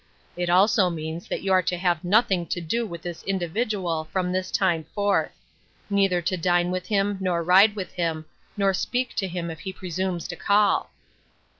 It also means that you are to have nothing to do with this individual from this time forth ; neither to dine with him, nor ride with him, nor speak to him if he presumes to call."